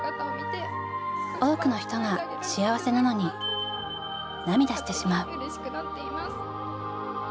多くの人が幸せなのに涙してしまう。